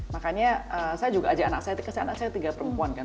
makanya saya juga ajak anak saya kasih anak saya tiga perempuan kan